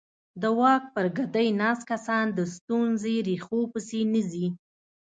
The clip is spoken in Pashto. د واک پر ګدۍ ناست کسان د ستونزې ریښو پسې نه ځي.